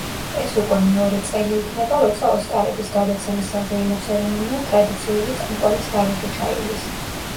ეს უკვე მეორე წელი იქნება, როცა „ოსკარების“ გადაცემის საზეიმო ცერემონია ტრადიციული წამყვანის გარეშე ჩაივლის.